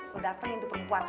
lo datangin tuh perempuan